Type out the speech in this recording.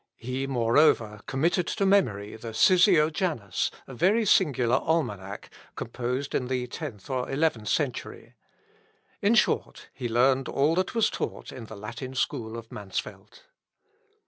He moreover conned the Ciseo Janus, a very singular almanac, composed in the tenth or eleventh century. In short, he learned all that was taught in the Latin school of Mansfeld.